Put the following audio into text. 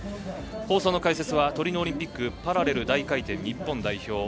放送の解説はトリノオリンピックパラレル大回転日本代表